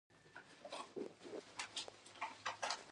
څېړونکي یې باید تحلیل او تفسیر کړي.